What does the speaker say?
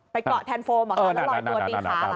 ไปเกาะแทนโฟมเหรอครับแล้วลอยตัวตีขา